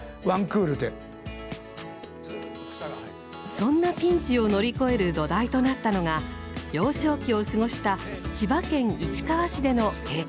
そんなピンチを乗り越える土台となったのが幼少期を過ごした千葉県市川市での経験でした。